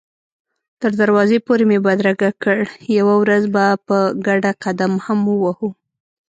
تر دروازې پورې مې بدرګه کړ، یوه ورځ به په ګډه قدم هم ووهو.